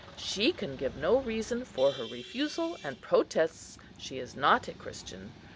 She can give no reason for her refusal, and protests she is not a Christian.